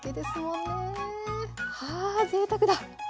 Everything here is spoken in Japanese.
あぜいたくだ！